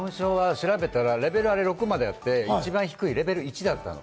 調べたら、レベルは６まであって、一番低いレベル１だったの。